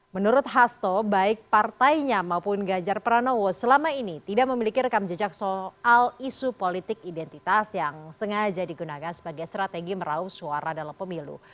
menurut hasto baik partainya maupun gajar pranowo selama ini tidak memiliki rekam jejak soal isu politik identitas yang sengaja digunakan sebagai strategi meraup suara dalam pemilu